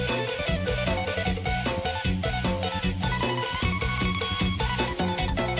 โอ้โหโอ้โหโอ้โห